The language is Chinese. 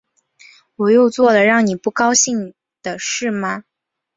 我又做了让你不高兴的事吗